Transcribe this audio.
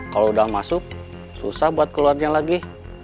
kalau udah masuk susah buat keluarnya lagi